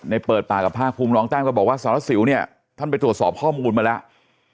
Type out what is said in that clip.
เปิดปากกับภาคภูมิรองแต้มก็บอกว่าสารสิวเนี่ยท่านไปตรวจสอบข้อมูลมาแล้ว